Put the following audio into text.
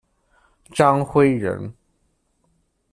张晖人。